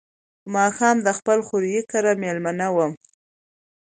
په ماښام د خپل خوریي کره مېلمه وم.